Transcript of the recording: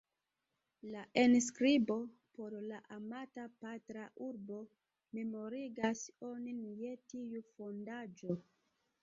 La enskribo "Por la amata patra urbo" memorigas onin je tiu fondaĵo.